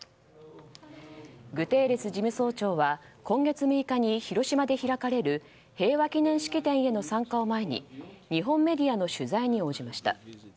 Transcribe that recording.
グテーレス事務総長は今月６日に広島で開かれる平和記念式典への参加を前に日本メディアの取材に応じました。